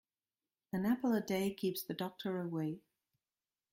An apple a day keeps the doctor away.